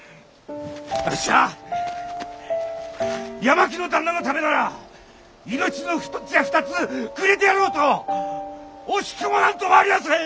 あっしは八巻の旦那のためなら命の一つや二つくれてやろうと惜しくも何ともありやせん！